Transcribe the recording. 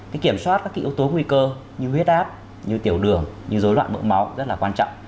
cái kiểm soát các yếu tố nguy cơ như huyết áp như tiểu đường như dối loạn mỡ máu rất là quan trọng